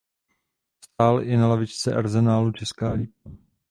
Stál i na lavičce Arsenalu Česká Lípa.